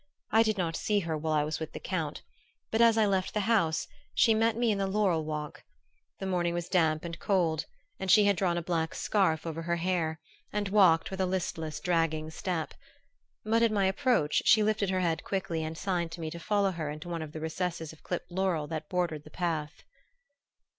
I did not see her while I was with the Count, but as I left the house she met me in the laurel walk. The morning was damp and cold, and she had drawn a black scarf over her hair, and walked with a listless dragging step; but at my approach she lifted her head quickly and signed to me to follow her into one of the recesses of clipped laurel that bordered the path.